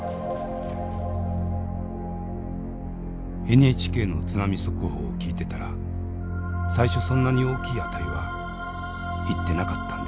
「ＮＨＫの津波速報を聞いてたら最初そんなに大きい値はいってなかったんですよね」。